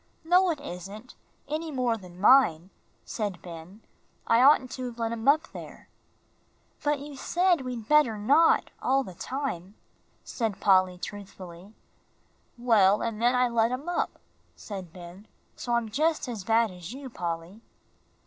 "No, it isn't, any more than mine," said Ben. "I oughtn't to have let him up there." "But you said we better not, all the time," said Polly, truthfully. "Well, and then I let him up," said Ben, "so I'm just as bad as you, Polly."